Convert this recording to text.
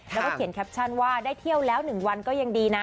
แล้วก็เขียนแคปชั่นว่าได้เที่ยวแล้ว๑วันก็ยังดีนะ